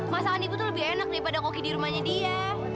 masakan ibu tuh lebih enak daripada koki di rumahnya dia